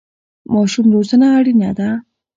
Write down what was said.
ماشوم روزنه اړینه ده.